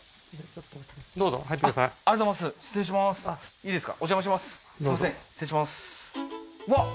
いいですか？